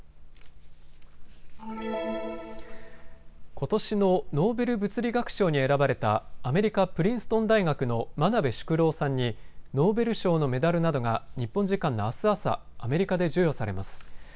ことしのノーベル物理学賞に選ばれたアメリカプリンストン大学の真鍋淑郎さんにノーベル賞のメダルなどが日本時間のあす朝、アメリカで授与されます。